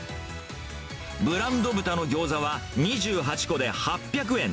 ブランド豚のギョーザは２８個で８００円。